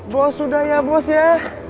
bos sudah ya bos ya